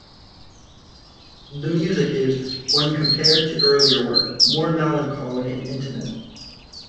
The music is, when compared to earlier work, more melancholy and intimate.